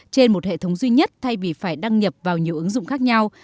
trên một hệ thống duy nhất thay vì phải đăng nhập vào nhiều ứng dụng khác nhau